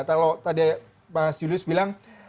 kalau tadi mas julius bilang